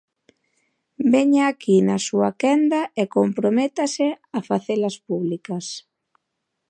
Veña aquí na súa quenda e comprométase a facelas públicas.